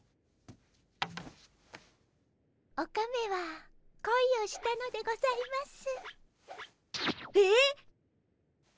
オカメはこいをしたのでございます。